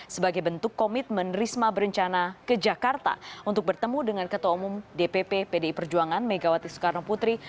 sebagai bentuk komitmen risma berencana ke jakarta untuk bertemu dengan ketua umum dpp pdi perjuangan megawati soekarno putri